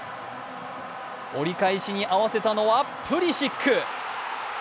折り返しに合わせたのはプリシック。